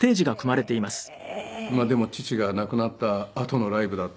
まあでも父が亡くなったあとのライブだったので。